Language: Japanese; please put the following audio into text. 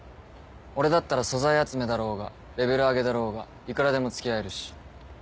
俺だったら素材集めだろうがレベル上げだろうがいくらでも付き合えるし。